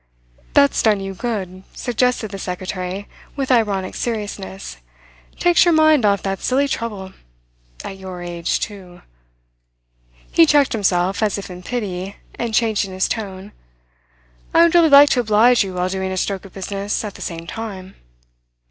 "That's done you good," suggested the secretary with ironic seriousness. "Takes your mind off that silly trouble. At your age too." He checked himself, as if in pity, and changing his tone: "I would really like to oblige you while doing a stroke of business at the same time."